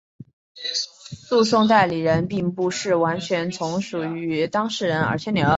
诉讼代理人并不是完全从属于当事人。